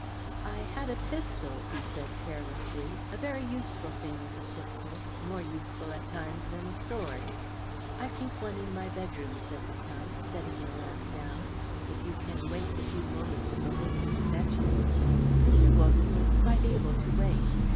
"I had a pistol," he said carelessly, "a very useful thing is a pistol, more useful at times than a sword." "I keep one in my bedroom," said the Count, setting the lamp down, "if you can wait the few moments it will take me to fetch it." Mr. Wogan was quite able to wait.